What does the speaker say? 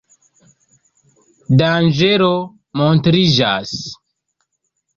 Danĝero montriĝas.